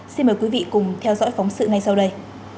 xin mời quý vị cùng theo dõi phóng sự ngay sau đây